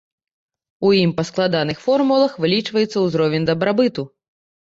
У ім па складаных формулах вылічваецца ўзровень дабрабыту.